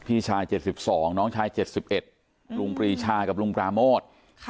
พี่ชาย๗๒น้องชาย๗๑ลุงปรีชากับลุงปราโมท